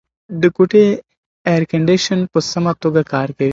د کوټې اېرکنډیشن په سمه توګه کار کوي.